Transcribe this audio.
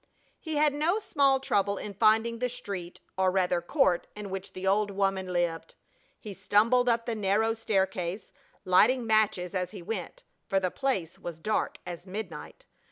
He had no small trouble in finding the street, or rather court, in which the old woman lived. He stumbled up the narrow staircase, lighting matches as he went, for the place was dark as midnight.